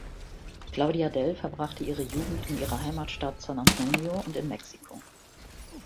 Claudia Dell verbrachte ihre Jugend in ihrer Heimatstadt San Antonio und in Mexiko.